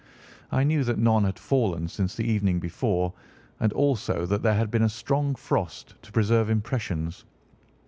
I knew that none had fallen since the evening before, and also that there had been a strong frost to preserve impressions.